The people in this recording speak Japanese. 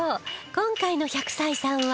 今回の１００歳さんは